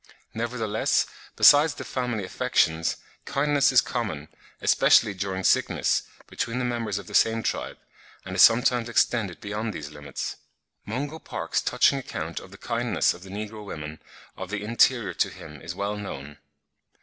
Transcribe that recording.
Nevertheless, besides the family affections, kindness is common, especially during sickness, between the members of the same tribe, and is sometimes extended beyond these limits. Mungo Park's touching account of the kindness of the negro women of the interior to him is well known.